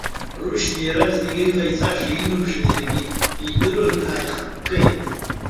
Рушьни иаразнак иҟаиҵаша-ииуша зегьы идыруа дааихыккеит.